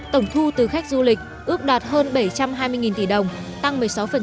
tổng thu từ khách du lịch ước đạt hơn bảy trăm hai mươi tỷ đồng tăng một mươi sáu